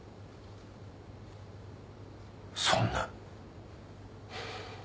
そんな。